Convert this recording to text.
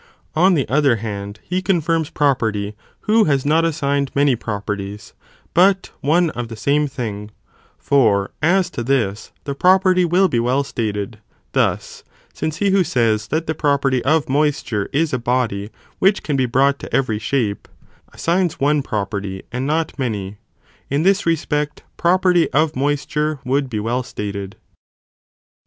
On the other hand, he confirms property who has not assigned many properties, but one of the same thing, for as to this, the property will be well stated, thus, since he who says that the property of mois ture is a body which can be brought to every shape, assigns 448 ARISTOTLE'S ORGANON. [BOOK v. one property and not many, in this respect property of mois ture would be well stated.